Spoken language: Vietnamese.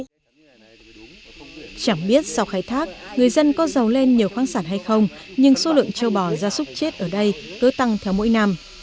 chẳng biết sau khai thác người dân có giàu lên nhiều khoáng sản hay không nhưng số lượng châu bò ra súc chết ở đây cứ tăng theo mỗi năm